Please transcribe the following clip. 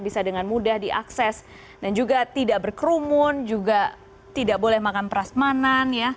bisa dengan mudah diakses dan juga tidak berkerumun juga tidak boleh makan peras manan